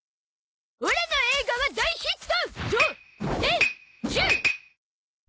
オラの映画は大ヒット